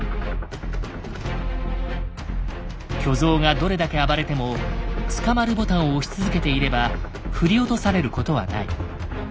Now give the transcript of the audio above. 巨像がどれだけ暴れても「つかまるボタン」を押し続けていれば振り落とされることはない。